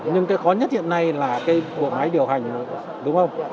nhưng cái khó nhất hiện nay là cái bộ máy điều hành đúng không